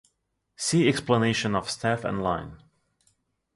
See explanation of staff and line.